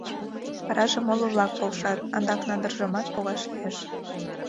Вараже моло-влак полшат, адак надыржымат погаш лиеш.